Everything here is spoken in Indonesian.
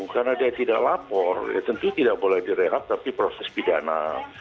karena dia tidak lapor tentu tidak boleh direhab tapi proses pidana